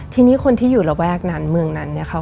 ทีนี้คนที่อยู่ระแวกนั้นเมืองนั้นเนี่ยค่ะ